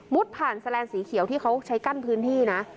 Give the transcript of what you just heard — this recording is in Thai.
ผ่านแสลนสีเขียวที่เขาใช้กั้นพื้นที่นะ